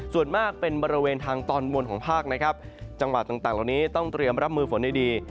ส่วนมากเป็นบริเวณทางตอนบนของภาคนะครับจังหวัดต่างเหล่านี้ต้องเตรียมรับมือฝนดี